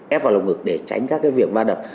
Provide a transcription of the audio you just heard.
ép vào lồng ngực để tránh các việc va đập